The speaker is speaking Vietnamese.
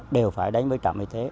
đều phải đến với trạm y tế